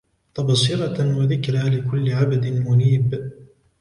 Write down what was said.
تبصرة وذكرى لكل عبد منيب